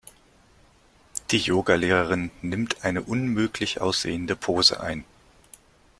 Die Yoga-Lehrerin nimmt eine unmöglich aussehende Pose ein.